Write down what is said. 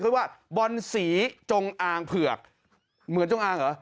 เขาว่าบอลสีจงอางเผือกเหมือนจงอางเหรอ